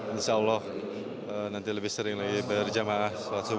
insya allah nanti lebih sering lagi berjamaah